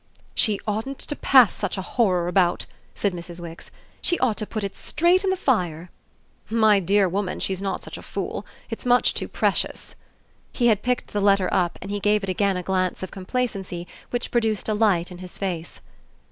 "She oughtn't to pass such a horror about," said Mrs. Wix. "She ought to put it straight in the fire." "My dear woman, she's not such a fool! It's much too precious." He had picked the letter up and he gave it again a glance of complacency which produced a light in his face.